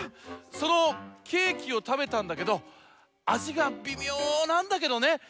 そのケーキをたべたんだけどあじがビミョなんだけどね